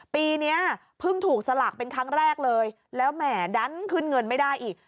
ปีนี้เพิ่งถูกสลากเป็นครั้งแรกเลยแล้วแหมดันขึ้นเงินไม่ได้อีก